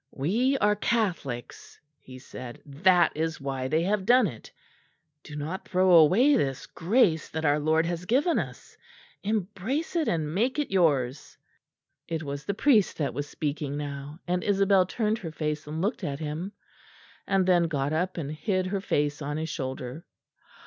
"We are Catholics," he said; "that is why they have done it. Do not throw away this grace that our Lord has given us; embrace it and make it yours." It was the priest that was speaking now; and Isabel turned her face and looked at him; and then got up and hid her face on his shoulder.